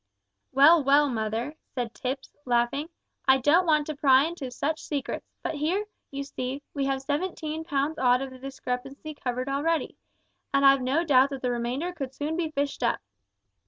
"Well, well, mother," said Tipps, laughing, "I don't want to pry into such secrets; but here, you see, we have seventeen pounds odd of the discrepancy discovered already, and I've no doubt that the remainder could soon be fished up."